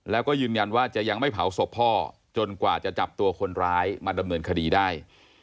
แล้วก็ยืนยันว่าจะยังไม่เผาศพพ่อจนกว่าจะจับตัวคนร้ายมาดำเนินคดีได้